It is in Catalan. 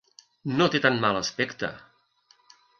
No té tan mal aspecte.